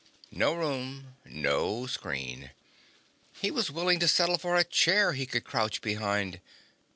No room, no screen. He was willing to settle for a chair he could crouch behind.